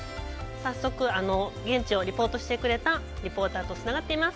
早速、現地をリポートしてくれたリポーターとつながっています。